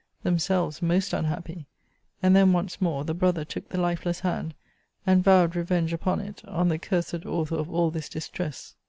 themselves most unhappy! And then, once more, the brother took the lifeless hand, and vowed revenge upon it, on the cursed author of all this distress.